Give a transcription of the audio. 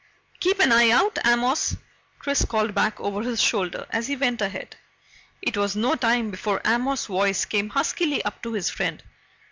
"Keep an eye out, Amos!" Chris called back over his shoulder as he went ahead. It was no time before Amos's voice came huskily up to his friend.